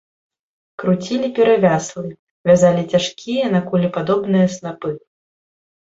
Круцілі перавяслы, вязалі цяжкія, на кулі падобныя снапы.